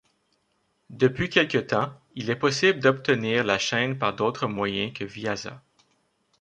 Depuis quelque temps il est possible d'obtenir la chaîne par d'autres moyen que Viasat.